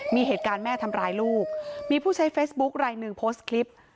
มีเหตุการณ์แม่ทำร้ายลูกมีผู้ใช้เฟซบุ๊คลายหนึ่งโพสต์คลิป